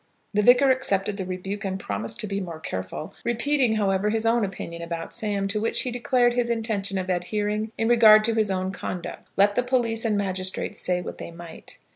The Vicar accepted the rebuke and promised to be more careful, repeating, however, his own opinion about Sam, to which he declared his intention of adhering in regard to his own conduct, let the police and magistrates say what they might.